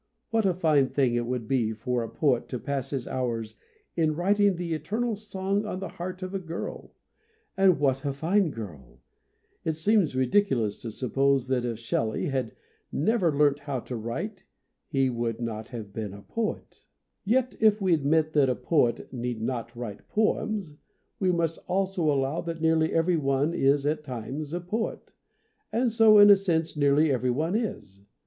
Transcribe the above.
What a fine thing it would be for a poet to pass his hours in writing the eternal song on the heart of a girl ; and what a fine girl ! It seems ridiculous to suppose that if Shelley had never learnt how to write he would not have been a poet. 78 MONOLOGUES Yet if we admit that a poet need not write poems we must allow that nearly every one is at times a poet, and so in a sense nearly every one is.